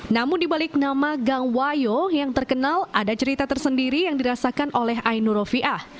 namun dibalik nama gang wayo yang terkenal ada cerita tersendiri yang dirasakan oleh ainur rofiah